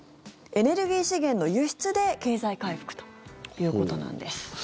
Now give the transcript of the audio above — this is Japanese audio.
エネルギー資源の輸出で経済回復ということなんです。